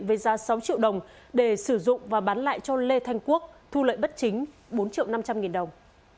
với giá sáu triệu đồng để sử dụng và bán lại cho lê thanh quốc thu lợi bất chính bốn triệu năm trăm linh nghìn đồng